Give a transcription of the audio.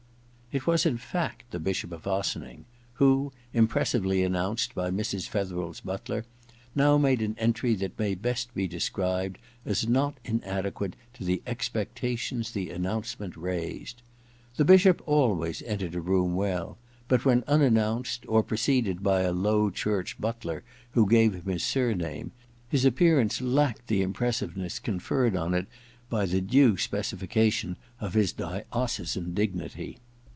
It was in fact the Bishop of Ossining, who, impressively announced by Mrs. Fetherel's butler, now made an entry that may best be described as not inadequate to the expectations the announcement raised. The Bishop always entered a room well ; but, when unannounced, or preceded by a Low Church butler who gave him his surname, his appearance lacked the impress iveness conferred on it by the due specification of his diocesan dignity.